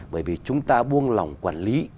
bởi vì chúng ta buông lòng quản lý